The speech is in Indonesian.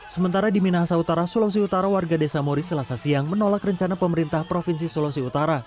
sementara di minahasa utara sulawesi utara warga desa mori selasa siang menolak rencana pemerintah provinsi sulawesi utara